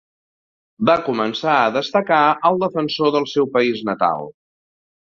Va començar a destacar al Defensor del seu país natal.